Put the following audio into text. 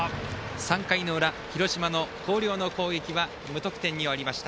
３回の裏、広島の広陵の攻撃は無得点に終わりました。